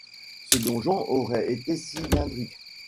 Ce donjon aurait été cylindrique.